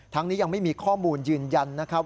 นี้ยังไม่มีข้อมูลยืนยันนะครับ